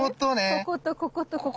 こことこことここ。